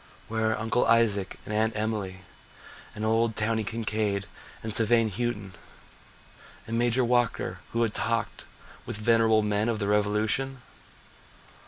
Where are Uncle Isaac and Aunt Emily, And old Towny Kincaid and Sevigne Houghton, And Major Walker who had talked With venerable men of the revolution?